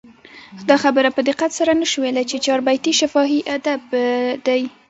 دا خبره په دقت سره نه سو ویلي، چي چاربیتې شفاهي ادب دئ.